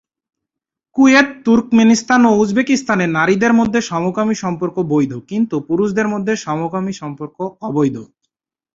Kuwait, Turkmenistan ও উজবেকিস্তানে নারীদের মধ্যে সমকামী সম্পর্ক বৈধ কিন্তু পুরুষদের মধ্যে সমকামী সম্পর্ক অবৈধ।